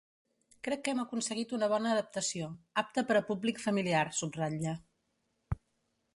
Crec que hem aconseguit una bona adaptació, apta per a públic familiar, subratlla.